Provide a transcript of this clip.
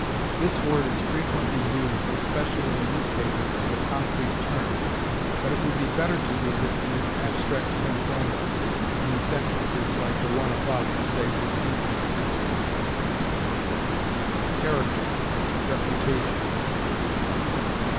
This word is frequently used, especially in the newspapers, as a concrete term; but it would be better to use it in its abstract sense only, and in sentences like the one above to say distinguished persons. CHARACTER REPUTATION.